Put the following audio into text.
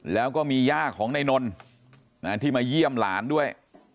แล้วก็มีย่าของนายนนที่มาเยี่ยมหลานด้วย